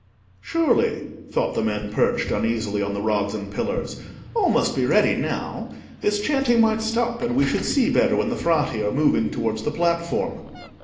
"Surely," thought the men perched uneasily on the rods and pillars, "all must be ready now. This chanting might stop, and we should see better when the Frati are moving towards the platform."